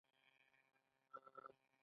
ایا مالګه مو کمه کړې ده؟